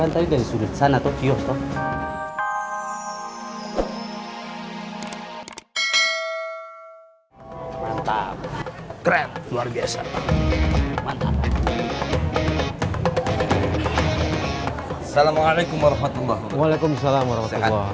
waalaikumsalam warahmatullahi wabarakatuh